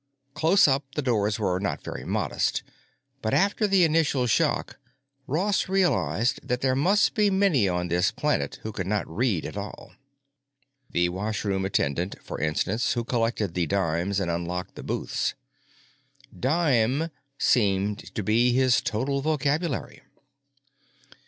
Close up the doors were not very modest, but after the initial shock Ross realized that there must be many on this planet who could not read at all. The washroom attendant, for instance, who collected the "dimes" and unlocked the booths. "Dime" seemed to be his total vocabulary.